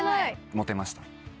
モテました？